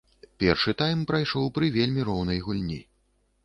Першы тайм прайшоў пры вельмі роўнай гульні.